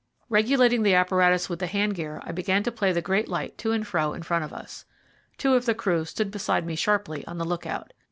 Regulating the apparatus with the hand gear, I began to play the great light to and fro in front of us. Two of the crew stood beside me sharply on the look out.